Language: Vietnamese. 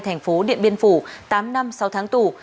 tp điện biên phủ tám năm sáu tháng tù